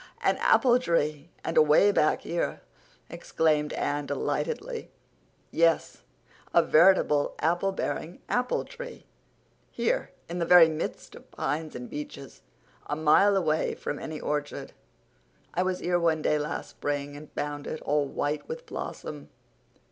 "An apple tree—and away back here!" exclaimed Anne delightedly. "Yes, a veritable apple bearing apple tree, too, here in the very midst of pines and beeches, a mile away from any orchard. I was here one day last spring and found it, all white with blossom.